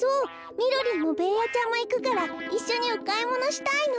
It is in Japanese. みろりんもベーヤちゃんもいくからいっしょにおかいものしたいの。